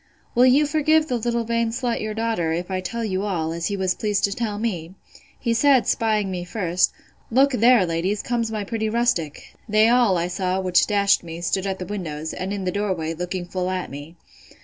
Will you forgive the little vain slut, your daughter, if I tell you all, as he was pleased to tell me? He said, 'spying me first, Look, there, ladies, comes my pretty rustic!—They all, I saw, which dashed me, stood at the windows, and in the door way, looking full at me.